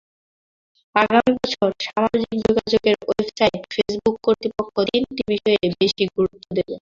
আগামী বছর সামাজিক যোগাযোগের ওয়েবসাইট ফেসবুক কর্তৃপক্ষ তিনটি বিষয়ে বেশি গুরুত্ব দেবে।